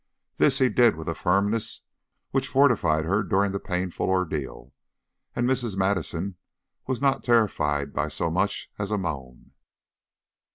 This he did with a firmness which fortified her during the painful ordeal, and Mrs. Madison was not terrified by so much as a moan.